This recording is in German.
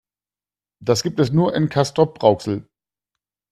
Das gibt es nur in Castrop-Rauxel